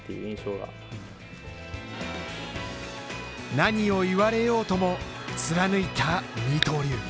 何を言われようとも貫いた二刀流。